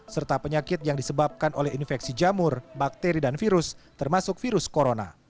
serta penyakit yang disebabkan oleh infeksi jamur bakteri dan virus termasuk virus corona